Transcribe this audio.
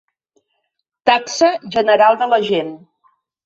Taxa general de la gent